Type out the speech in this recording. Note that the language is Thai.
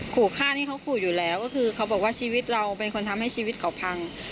ขู่ฆ่านี่เขาขู่อยู่แล้วก็คือเขาบอกว่าชีวิตเราเป็นคนทำให้ชีวิตเขาพัง